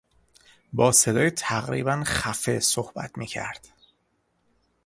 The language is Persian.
با صدای تقریبا خفه صحبت میکرد.